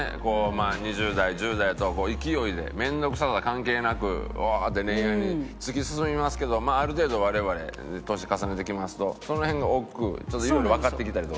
まあ２０代１０代と勢いで面倒くささ関係なくウワーッて恋愛に突き進みますけどある程度我々年重ねてきますとその辺がおっくういろいろわかってきたりとかするから。